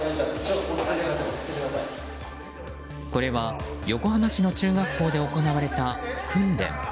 これは横浜市の中学校で行われた訓練。